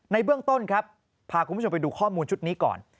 เบื้องต้นครับพาคุณผู้ชมไปดูข้อมูลชุดนี้ก่อน